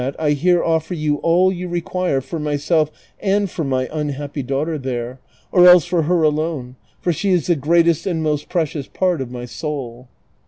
I here offer you all you require for myself and for my unhappy daughter there ; or else for her alone, for she is the great est and most precious part of my soul."